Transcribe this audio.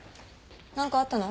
何かあったの？